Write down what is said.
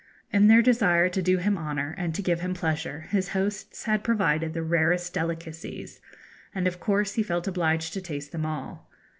In their desire to do him honour, and to give him pleasure, his hosts had provided the rarest delicacies, and of course he felt obliged to taste them all.